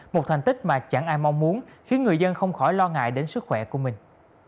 một thành tích mà chẳng ai mong muốn khiến người dân không khỏi lo ngại đến sức khỏe của mình